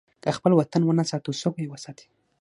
که خپل وطن ونه ساتو، څوک به یې وساتي؟